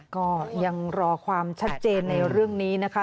ก็ยังรอความชัดเจนในเรื่องนี้นะคะ